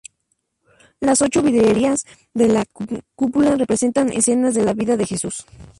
Las ocho vidrieras de la cúpula representan escenas de la vida de Jesús.